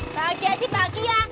bahagia sih bahagia